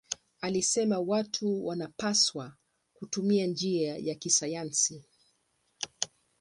Alisema watu wanapaswa kutumia njia ya kisayansi.